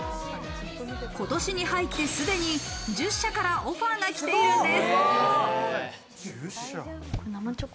今年に入ってすでに１０社からオファーが来ているんです。